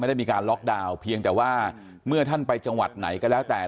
ได้มีการล็อกดาวน์เพียงแต่ว่าเมื่อท่านไปจังหวัดไหนก็แล้วแต่